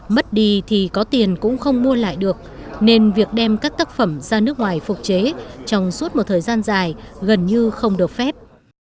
mất đi thì có tiền cũng không mua lại được nên việc đem các tác phẩm ra nước ngoài phục chế trong suốt một thời gian dài gần như không được phép